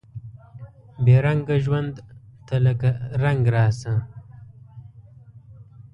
بې رنګه ژوند ته لکه رنګ راسه